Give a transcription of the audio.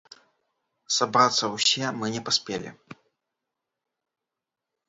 Сабрацца ўсе мы не паспелі.